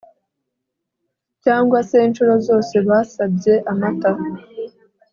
cyangwa se incuro zose basabye amata